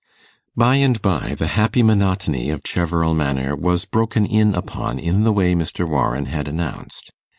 By and by the happy monotony of Cheverel Manor was broken in upon in the way Mr. Warren had announced.